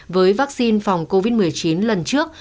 với vaccine phòng covid một mươi chín lần trước